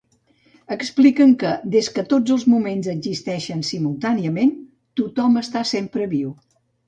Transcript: Expliquen que des que tots els moments existeixen simultàniament, tothom està sempre viu.